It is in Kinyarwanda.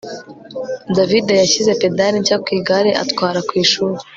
davide yashyize pedale nshya ku igare atwara ku ishuri